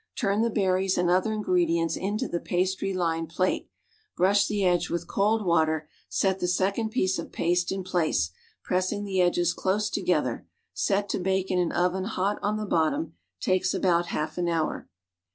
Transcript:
Turn the berries and other ingredients into the pastry lined pliite, brush the edge with cold water, set the second piece of paste in place, pressing the edges close together; set to bake in an oven hot on the bottom; bake about half an hour.